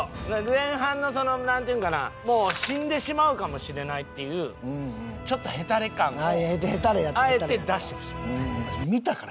前半のなんていうんかなもう死んでしまうかもしれないっていうちょっとヘタレ感をあえて出してほしい。